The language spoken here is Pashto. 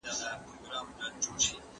د اغیارو په محبس کي د « امان » کیسه کومه.